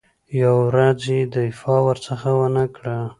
یوه ورځ یې دفاع ورڅخه ونه کړه.